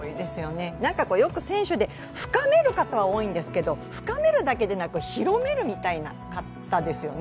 よく選手で、深める方は多いんですけれども、深めるだけではなく広めるみたいな方ですよね。